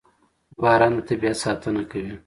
• باران د طبیعت ساتنه کوي.